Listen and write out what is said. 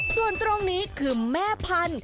ส่วนตรงนี้คือแม่พันธุ